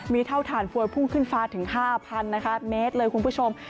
มีเท่าฐานฟวยพุ่งขึ้นฟ้าถึง๕๐๐นะคะเมตรเลยคุณผู้ชม